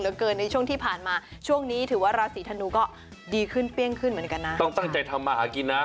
เกินในช่วงที่ผ่านมาช่วงนี้ถือว่าราศีธนูก็ดีขึ้นเปรี้ยงขึ้นเหมือนกันนะต้องตั้งใจทำมาหากินนะ